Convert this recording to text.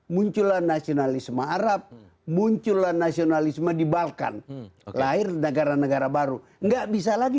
muncullah nasionalisme arab muncullah nasionalisme di balkan lahir negara negara baru nggak bisa lagi